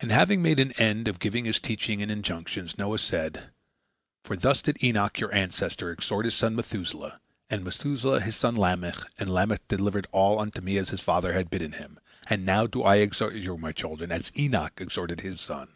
And having made an end of giving his teachings and injunctions, Noah said: "For thus did Enoch, your ancestor, exhort his son Methuselah, and Methuselah his son Lamech, and Lamech delivered all unto me as his father had bidden him, and now I do exhort you, my children, as Enoch exhorted his son.